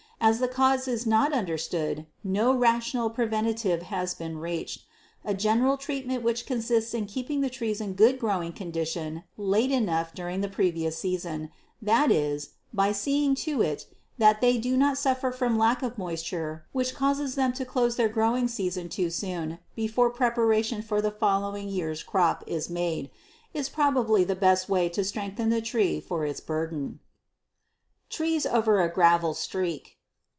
As the cause is not understood no rational preventive has been reached. A general treatment which consists in keeping the trees in good growing condition late enough during the previous season, that is, by seeing to it that they do not suffer from lack of moisture which causes them to close their growing season too soon before preparation for the following year's crop is made, is probably the best way to strengthen the tree for its burden. Trees Over a Gravel Streak.